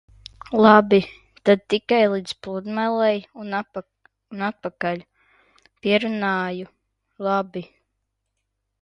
Labi, tad tikai līdz pludmalei un atpakaļ. Pierunāju. Labi.